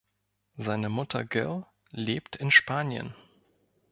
Seine Mutter Gill lebt in Spanien.